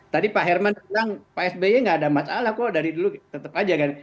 tadi pak herman bilang pak sby nggak ada masalah kok dari dulu tetap aja kan